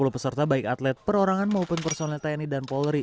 sepuluh peserta baik atlet perorangan maupun personel tni dan polri